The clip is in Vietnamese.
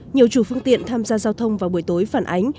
nhiều chủ phương tiện tham gia giao thông vào buổi tối phản ánh